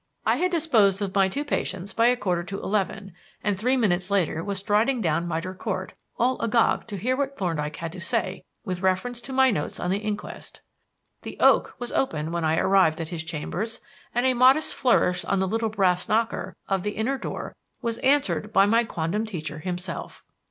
I had disposed of my two patients by a quarter to eleven, and three minutes later was striding down Mitre Court, all agog to hear what Thorndyke had to say with reference to my notes on the inquest. The "oak" was open when I arrived at his chambers, and a modest flourish on the little brass knocker of the inner door was answered by my quondam teacher himself.